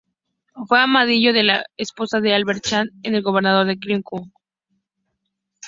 Fue amadrinado por la esposa de Albert Chandler, el Gobernador de Kentucky.